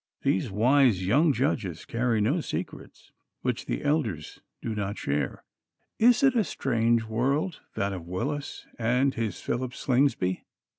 These wise young judges carry no secrets which the elders do not share. Is it a strange world that of Willis and his Philip Slingsby?